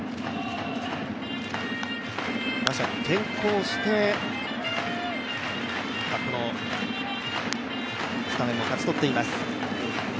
打者に転向して、このスタメンを勝ち取っています。